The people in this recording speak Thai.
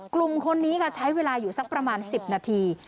กลุ่มคนนี้ค่ะใช้เวลาอยู่สักประมาณ๑๐นาที